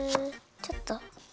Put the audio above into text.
ちょっと。